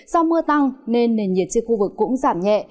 do mưa tăng nên nền nhiệt trên khu vực cũng giảm nhẹ